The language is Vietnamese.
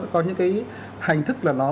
có những cái hành thức là nó